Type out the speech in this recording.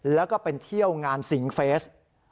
แล้วก็ไปเที่ยวงานสิงเฟส